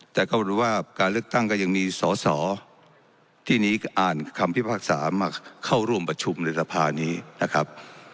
แต่ก็รู้ว่าการเลือกตั้งก็ยังมีสอสอที่นี้อ่านคำพิพากษามาเข้าร่วมประชุมในสภานี้นะครับ